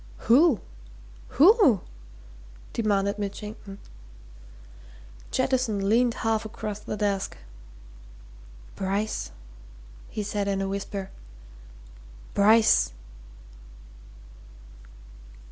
"Who who?" demanded Mitchington. Jettison leaned half across the desk. "Bryce!" he said in a whisper. "Bryce!"